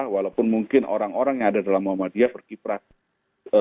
walaupun mungkin orang orang yang ada dalam muhammadiyah berkiprah